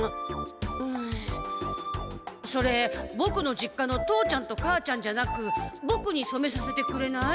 んそれボクの実家の父ちゃんと母ちゃんじゃなくボクにそめさせてくれない？